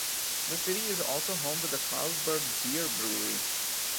The city is also home to the Karlsberg beer brewery.